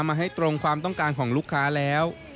มาให้ตรงความต้องการของลูกค้าแล้ว